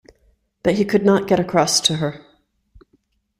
But he could not get across to her.